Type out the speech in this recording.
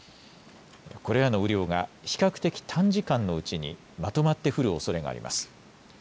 これらの雨量が比較的短時間のうちにまとまって降るおそれがあります。